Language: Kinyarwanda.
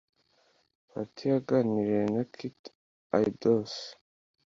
bahati yaganiriye na kt idolrs